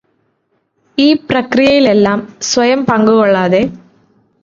ഈ പ്രക്രിയയിലെല്ലാം സ്വയം പങ്കുകൊള്ളാതെ.